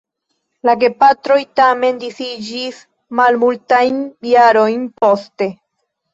La gepatroj tamen disiĝis malmultajn jarojn poste.